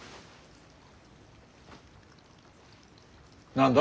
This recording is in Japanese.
何だ？